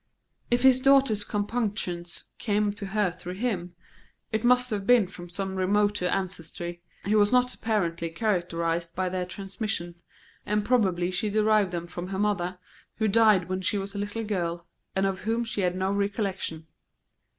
If his daughter's compunctions came to her through him, it must have been from some remoter ancestry; he was not apparently characterised by their transmission, and probably she derived them from her mother, who died when she was a little girl, and of whom she had no recollection.